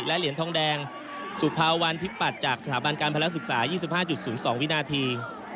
และเหรียญทองแดงสุภาวันทิพัดจากสถาบันการภรรยาศึกษายี่สิบห้าจุดสูงสองวินาที